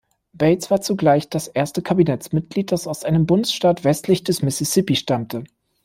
Bates war zugleich das erste Kabinettsmitglied, das aus einem Bundesstaat westlich des Mississippi stammte.